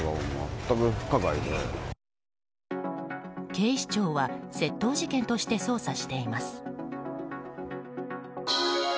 警視庁は窃盗事件として捜査しています。